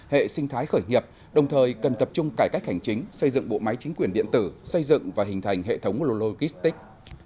hệ sinh thái khởi nghiệp đồng thời cần tập trung cải cách hành chính xây dựng bộ máy chính quyền điện tử xây dựng và hình thành hệ thống logistic